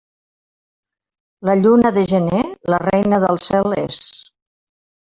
La lluna de gener, la reina del cel és.